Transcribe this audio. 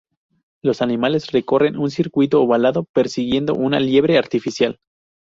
Los animales recorren un circuito ovalado persiguiendo una liebre artificial.